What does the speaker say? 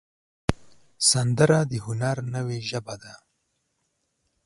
سندره د هنر نوې ژبه ده